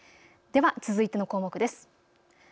では続いての項目です。